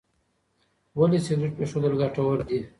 ولې سګریټ پرېښودل ګټور دي؟